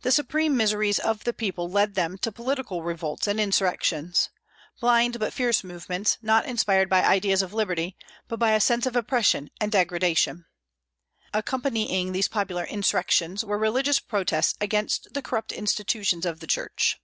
The supreme miseries of the people led them to political revolts and insurrections, blind but fierce movements, not inspired by ideas of liberty, but by a sense of oppression and degradation. Accompanying these popular insurrections were religious protests against the corrupt institutions of the Church.